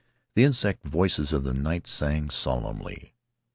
The insect voices of the night sang solemnly.